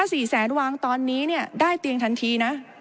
สี่แสนวางตอนนี้เนี่ยได้เตียงทันทีนะ